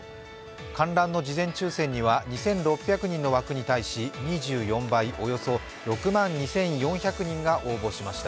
観覧の事前抽選には２６００人の枠に対し２４倍、およそ６万２４００人が応募しました。